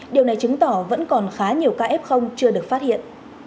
điều này chứng tỏ vẫn còn khá nhiều ca f chưa được phát hiện